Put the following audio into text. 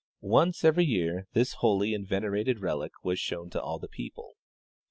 Once every year this holy and venerated relic was shown to all the people.